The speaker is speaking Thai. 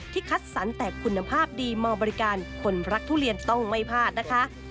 คัดสรรแต่คุณภาพดีมาบริการคนรักทุเรียนต้องไม่พลาดนะคะ